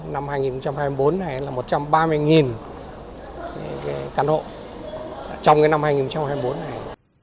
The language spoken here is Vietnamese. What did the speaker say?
năm hai nghìn hai mươi bốn này là một trăm ba mươi căn hộ trong năm hai nghìn hai mươi bốn này